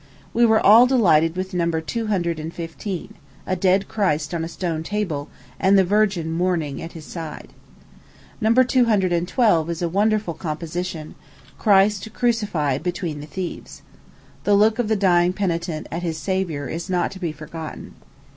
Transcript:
We were all delighted with No. 215 a Dead Christ on a stone table, and the Virgin mourning at his side. No. 212 is a wonderful composition Christ crucified between the Thieves. The look of the dying penitent at his Savior is not to be forgotten.